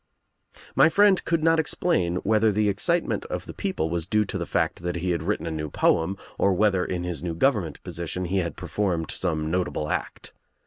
My friend could not explain whether the excitement of the people was due to the fact that he had written a new poem or whether, in his new government posi tion, he had performed some notable act.